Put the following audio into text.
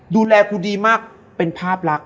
ดูแลกูดีมากเป็นภาพลักษ